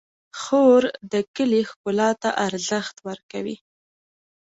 خور د کلي ښکلا ته ارزښت ورکوي.